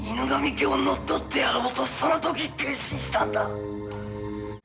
家を乗っ取ってやろうとその時決心したんだ。